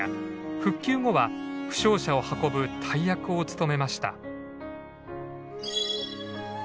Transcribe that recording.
復旧後は負傷者を運ぶ大役を務めました。